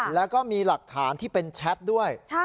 แล้วก็มีหลักฐานที่เป็นแชทด้วย